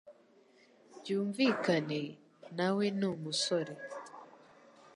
byumvikane, nawe ni umusore